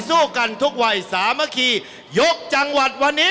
สู้กันทุกวัยสามัคคียกจังหวัดวันนี้